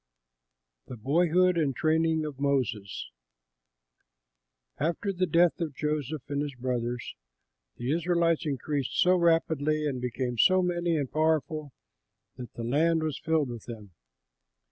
THE BOYHOOD AND TRAINING OF MOSES After the death of Joseph and his brothers, the Israelites increased so rapidly and became so many and powerful that the land was filled with them.